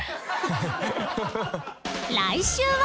［来週は］